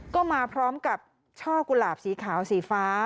ก็มาพร้อมกับช่อกุหลาบสีขาวสีฟ้า